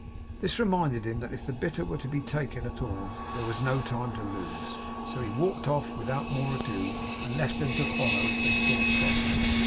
This reminded him that if the bitter were to be taken at all, there was no time to lose; so he walked off without more ado, and left them to follow if they thought proper.